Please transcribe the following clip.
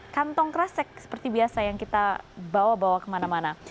kantong kresek seperti biasa yang kita bawa bawa kemana mana